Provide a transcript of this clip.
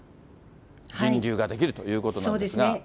人流が出来るということなんですが。